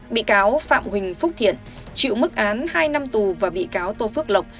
bị cáo phạm huỳnh phúc thiện chịu mức án hai năm tù và bị cáo tô phước lộc